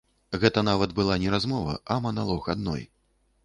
Гэта нават была не размова, а маналог адной.